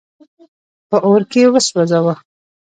په اور کي وسوځاوه.